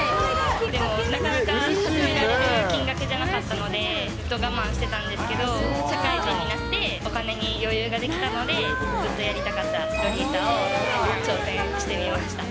でもなかなか始められる金額じゃなかったので、ずっと我慢してたんですけど、社会人になって、お金に余裕が出来たので、ずっとやりたかったロリータに挑戦してみました。